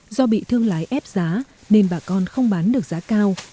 do bị thương lái ép giá nên bà con không bán được giá cao